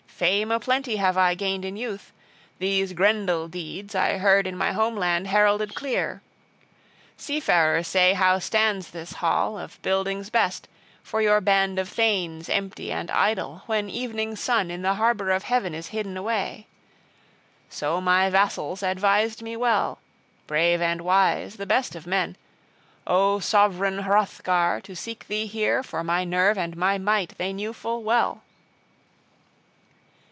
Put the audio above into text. Fame a plenty have I gained in youth! These Grendel deeds I heard in my home land heralded clear. Seafarers say how stands this hall, of buildings best, for your band of thanes empty and idle, when evening sun in the harbor of heaven is hidden away. So my vassals advised me well, brave and wise, the best of men, O sovran Hrothgar, to seek thee here, for my nerve and my might they knew full well.